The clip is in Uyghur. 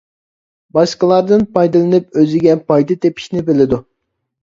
باشقىلاردىن پايدىلىنىپ ئۆزىگە پايدا تېپىشنى بىلىدۇ.